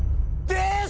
です！